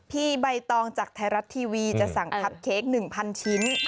ใบตองจากไทยรัฐทีวีจะสั่งคับเค้ก๑๐๐ชิ้น